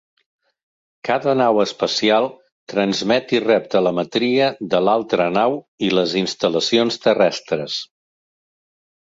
Cada nau espacial transmet i rep telemetria de l'altra nau i les instal·lacions terrestres.